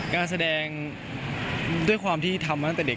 การแสดงด้วยความที่ทำมาตั้งแต่เด็ก